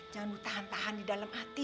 jangan tahan tahan di dalam hati